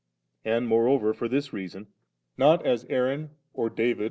And moreover for this reason, not as Aaron or • p.